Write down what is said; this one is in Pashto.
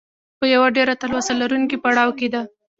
په یوه ډېره تلوسه لرونکي پړاو کې ده.